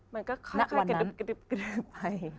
มันก็ค่อนข้างกระดึ๊บไป